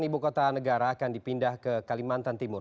ibu kota negara akan dipindah ke kalimantan timur